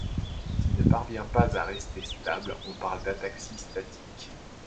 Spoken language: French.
S'il ne parvient pas à rester stable, on parle d'ataxie statique.